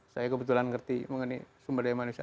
saya kebetulan ngerti mengenai sumber daya manusia